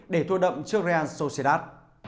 để thua đậm trước real sociedad